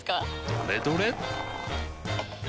どれどれっ！